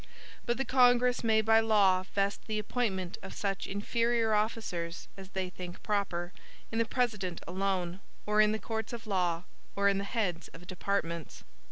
But the Congress may by law vest the appointment of such inferior officers as they think proper, in the President alone, or in the courts of law, or in the heads of departments.